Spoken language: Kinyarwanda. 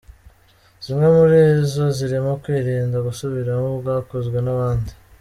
Zimwe muri zo zirimo, kwirinda gusubiramo ubwakozwe n’abandi.